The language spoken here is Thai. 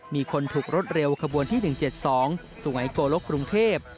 มีคนถูกรถเร็วขบวนที่๑๗๒สุหายโกลกกรุงเทพ